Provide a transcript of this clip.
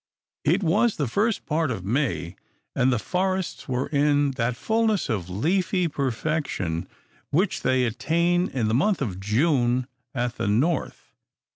It was the first part of May; and the forests were in that fulness of leafy perfection which they attain in the month of June at the North.